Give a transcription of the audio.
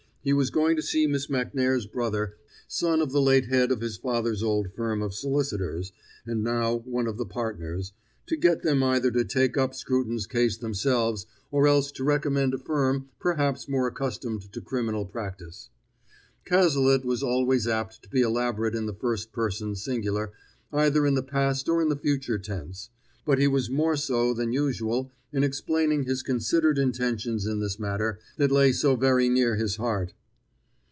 He was going to see Miss Macnair's brother, son of the late head of his father's old firm of solicitors, and now one of the partners, to get them either to take up Scruton's case themselves, or else to recommend a firm perhaps more accustomed to criminal practise. Cazalet was always apt to be elaborate in the first person singular, either in the past or in the future tense; but he was more so than usual in explaining his considered intentions in this matter that lay so very near his heart.